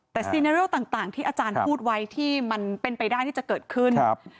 แต่ซีเนเรลต่างที่อาจารย์พูดไว้ที่มันเป็นไปได้ที่จะเกิดขึ้น